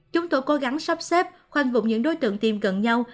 chúng tôi cố gắng sắp xếp khoanh vụng những đối tượng tiêm gần nhau